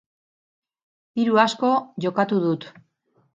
Diru asko jokatu dut.